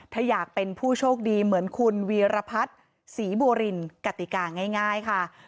ถ้าอยากเป็นผู้โชคดีเหมือนคุณวีรพัฒน์ศรีบัวรินกติกาง่ายค่ะ